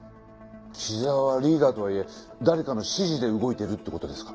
木沢はリーダーとはいえ誰かの指示で動いているって事ですか？